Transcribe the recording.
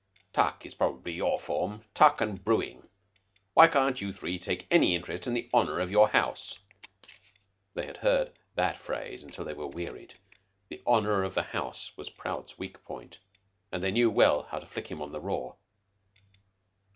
"Tuck is probably your form. Tuck and brewing. Why can't you three take any interest in the honor of your house?" They had heard that phrase till they were wearied. The "honor of the house" was Prout's weak point, and they knew well how to flick him on the raw.